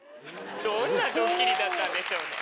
どんなドッキリだったんでしょうね。